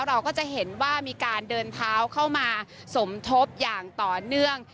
เราก็จะเห็นว่ามีการเดินเท้าเข้ามาสมทบอย่างต่อเนื่อง